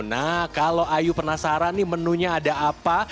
nah kalau ayu penasaran nih menunya ada apa